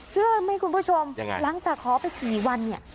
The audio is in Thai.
เชื่อไหมคุณผู้ชมยังไงหลังจากขอไป๔วันเนี่ย